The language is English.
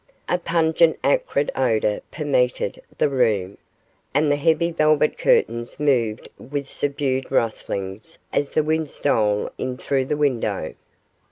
A pungent acrid odour permeated the room, and the heavy velvet curtains moved with subdued rustlings as the wind stole in through the window.